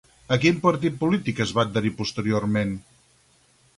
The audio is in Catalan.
A quin partit polític es va adherir posteriorment?